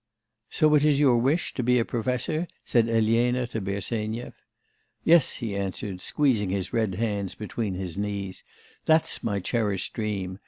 'So it is your wish to be a professor?' said Elena to Bersenyev. 'Yes,' he answered, squeezing his red hands between his knees. 'That's my cherished dream.